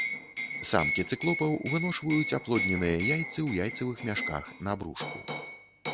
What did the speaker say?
Самкі цыклопаў выношваюць аплодненыя яйцы ў яйцавых мяшках на брушку.